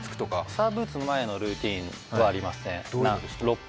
サーブ打つ前のルーティンはありますね。